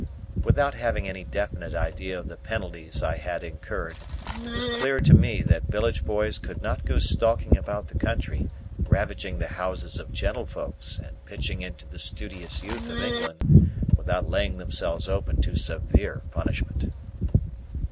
Without having any definite idea of the penalties I had incurred, it was clear to me that village boys could not go stalking about the country, ravaging the houses of gentlefolks and pitching into the studious youth of England, without laying themselves open to severe punishment.